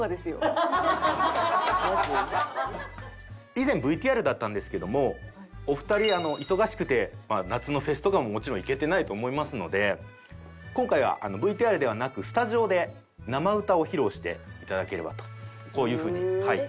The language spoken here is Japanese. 以前ＶＴＲだったんですけどもお二人忙しくて夏のフェスとかももちろん行けてないと思いますので今回はＶＴＲではなくスタジオで生歌を披露して頂ければとこういうふうにはい。